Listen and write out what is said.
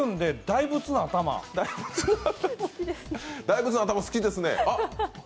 大仏の頭、好きですね。